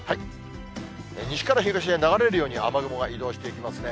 西から東へ流れるように、雨雲が移動していきますね。